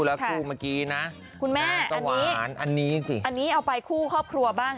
แล้วคู่เมื่อกี้นะคุณแม่สวรรค์อันนี้สิอันนี้เอาไปคู่ครอบครัวบ้าง